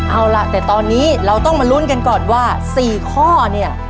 เอาล่ะแต่ตอนนี้เราต้องมาลุ้นกันก่อนว่า๔ข้อเนี่ย